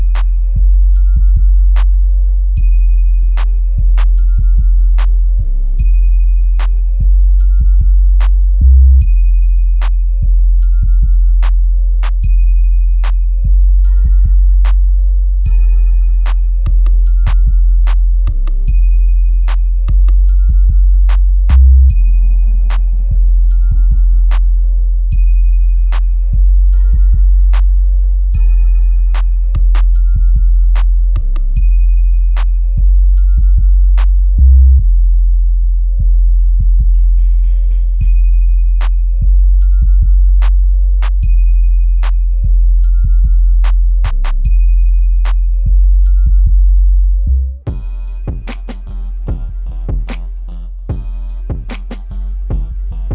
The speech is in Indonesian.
gapapa aku berterus sejam yang lalu masih ngantuk